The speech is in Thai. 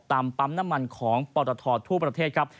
ปั๊มน้ำมันของปตททั่วประเทศครับ